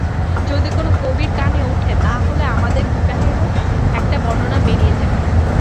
যদি কোনো কবির কানে উঠে তা হলে আমাদের বিবাহেরও একটা বর্ণনা বেরিয়ে যাবে।